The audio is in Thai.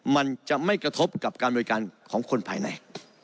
มันจะไม่กระทบกับการบริการของคนภายใน